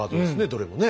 どれもね。